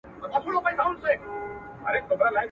کورته مي څوک نه راځي زړه ته چي ټکور مي سي.